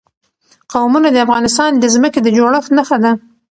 قومونه د افغانستان د ځمکې د جوړښت نښه ده.